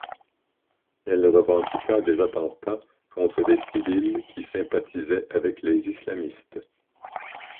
Elle revendiqua des attentats contre des civils qui sympathisaient avec les islamistes.